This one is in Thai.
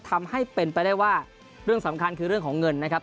ทำให้เป็นไปได้ว่าเรื่องสำคัญคือเรื่องของเงินนะครับ